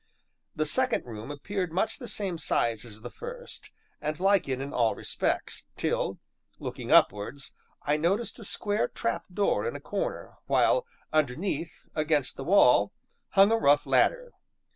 The second room appeared much the same size as the first, and like it in all respects, till, looking upwards, I noticed a square trap door in a corner, while underneath, against the wall, hung a rough ladder.